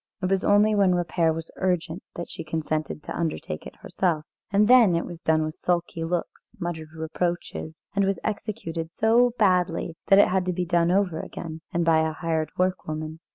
It was only when repair was urgent that she consented to undertake it herself, and then it was done with sulky looks, muttered reproaches, and was executed so badly that it had to be done over again, and by a hired workwoman.